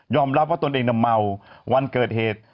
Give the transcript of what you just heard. รับว่าตนเองเมาวันเกิดเหตุ